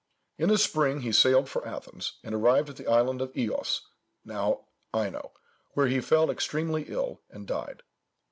In the spring he sailed for Athens, and arrived at the island of Ios, now Ino, where he fell extremely ill, and died.